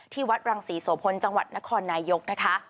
ที่วัดรังศรีโสพลจังหวัดนครนายกนะคะ